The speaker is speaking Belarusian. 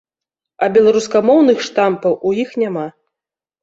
А беларускамоўных штампаў у іх няма.